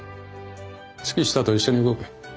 月下と一緒に動け。